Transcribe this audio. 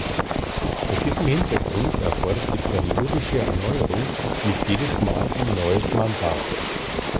Vor diesem Hintergrund erfordert die periodische Erneuerung nicht jedes Mal ein neues Mandat.